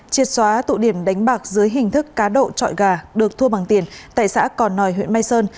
triệt xóa tụ điểm đánh bạc dưới hình thức cá độ trọi gà được thua bằng tiền tại xã còn nòi huyện mai sơn